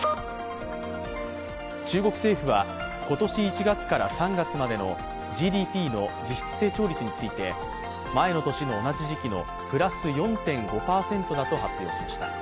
中国政府は今年１月から３月までのＧＤＰの実質成長率について前の年の同じ時期のプラス４．５％だと発表しました。